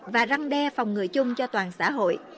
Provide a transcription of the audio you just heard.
và răng đe phòng người chung cho toàn xã hội